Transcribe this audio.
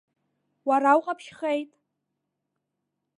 Уара уҟаԥшьхеит!